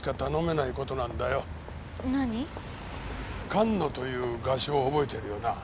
菅野という画商を覚えてるよな？